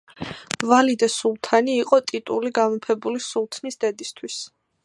ვალიდე სულთანი იყო ტიტული გამეფებული სულთნის დედისთვის.